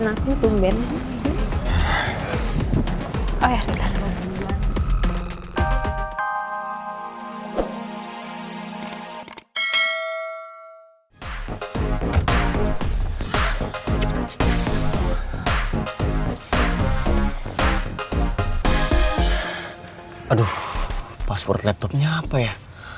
aduh password laptopnya apa ya